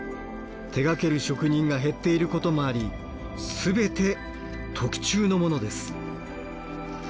手がける職人が減っていることもあり全て特注のものです。